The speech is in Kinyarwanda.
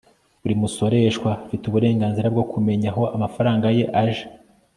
buri musoreshwa afite uburenganzira bwo kumenya aho amafaranga ye aja